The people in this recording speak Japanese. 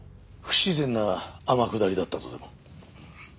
不自然な天下りだったとでも？